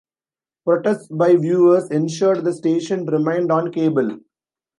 Protests by viewers ensured the station remained on cable.